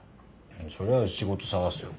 そりゃあ仕事探すよ。